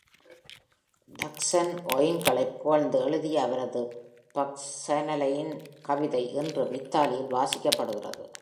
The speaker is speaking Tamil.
டஸ்கன் ஒயின்களைப் புகழ்ந்து எழுதிய அவரது பச்சனலியன் கவிதை இன்றும் இத்தாலியில் வாசிக்கப்படுகிறது.